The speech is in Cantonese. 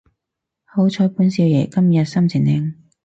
好彩本少爺今日心情靚